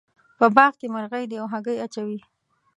په باغ کې مرغۍ دي او هګۍ اچوې